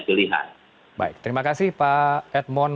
pilihan baik terima kasih pak edmond